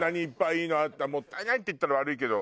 「もったいない」って言ったら悪いけど。